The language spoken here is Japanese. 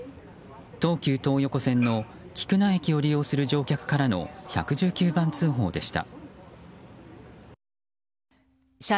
東急東横線の菊名駅を利用する乗客からの１１９番通報でした。